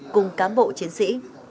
cùng cán bộ chiến sĩ